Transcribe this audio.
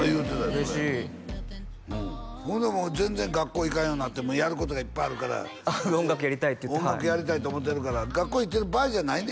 それ嬉しいほんでもう全然学校行かんようになってやることがいっぱいあるから音楽やりたいって言ってはい音楽やりたいと思ってるから学校行ってる場合じゃないね